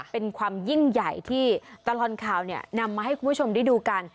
เป็นความยิ่งใหญ่ที่ตลอดข่าวนำมาให้คุณผู้ชมได้ดูกัน